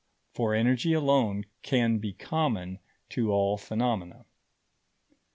For energy alone can be common to all phenomena.